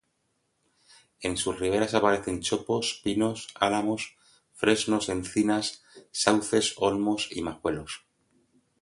En sus riberas aparecen chopos, pinos, álamos, fresnos, encinas, sauces, olmos y majuelos.